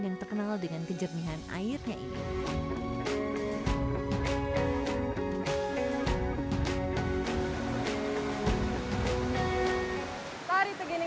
yang terkenal dengan kejernihan airnya ini